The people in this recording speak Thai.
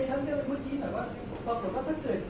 แต่ว่าไม่มีปรากฏว่าถ้าเกิดคนให้ยาที่๓๑